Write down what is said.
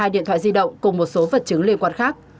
hai điện thoại di động cùng một số vật chứng liên quan khác